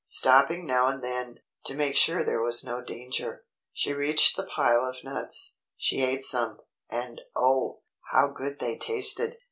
Stopping now and then, to make sure there was no danger, she reached the pile of nuts. She ate some, and oh! how good they tasted.